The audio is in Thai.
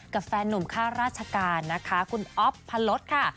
กับแฟนหนุ่มค่าราชการคุณออภพลต์ค่ะ